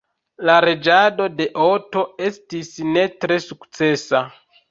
La reĝado de Otto estis ne tre sukcesa.